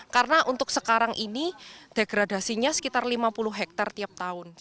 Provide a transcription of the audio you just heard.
karena untuk sekarang ini degradasinya sekitar lima puluh hektare tiap tahun